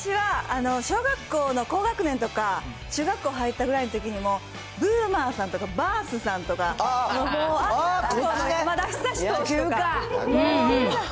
私は小学校の高学年とか、中学校入ったぐらいのときに、もう、ブーマーさんとかバースさん野球か。